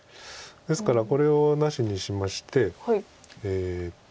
ですからこれをなしにしまして。